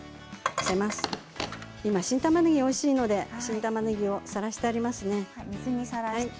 今、新たまねぎがおいしいので新たまねぎをさらしてあります。